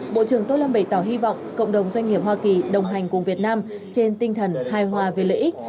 bộ trưởng tô lâm bày tỏ hy vọng cộng đồng doanh nghiệp hoa kỳ đồng hành cùng việt nam trên tinh thần hài hòa về lợi ích